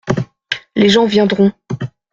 Les gens viendront.